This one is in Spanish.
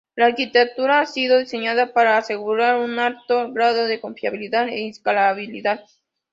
La arquitectura ha sido diseñada para asegurar un alto grado de confiabilidad e escalabilidad.